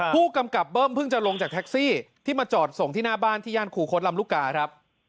ผู้กำกับเบิ้มเพิ่งจะลงจากแท็กซี่ที่มาจอดส่งที่หน้าบ้านที่ย่านครูคดลำลูกกาครับ